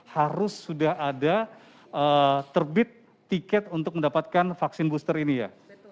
harus sudah ada terbit tiket untuk mendapatkan vaksin booster ini ya